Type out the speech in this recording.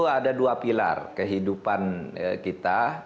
ada dua pilar kehidupan kita